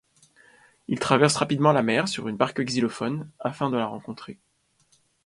Il traverse rapidement la mer sur une barque-xylophone afin de la rencontrer.